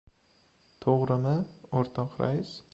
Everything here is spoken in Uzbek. To‘g‘rimi, o‘rtoq rais?